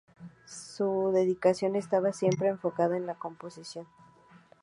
Su dedicación estaba siempre enfocada en la composición.